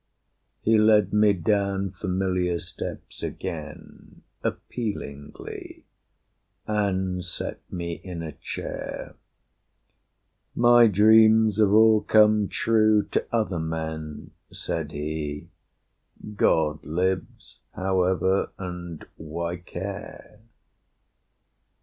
He led me down familiar steps again, Appealingly, and set me in a chair. "My dreams have all come true to other men," Said he; "God lives, however, and why care?